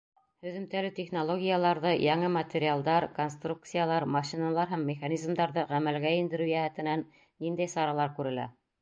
— Һөҙөмтәле технологияларҙы, яңы материалдар, конструкциялар, машиналар һәм механизмдарҙы ғәмәлгә индереү йәһәтенән ниндәй саралар күрелә?